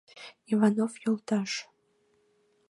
Иванов йолташ..